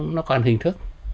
nó còn hình thức